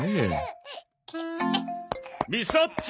みさっち！